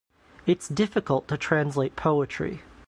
It's difficult to translate poetry.